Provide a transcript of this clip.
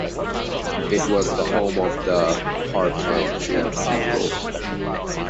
It was the home of the Paarkantji people.